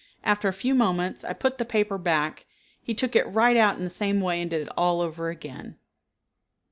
After a few moments I put the paper back, he took it right out in the same way and did it all over again.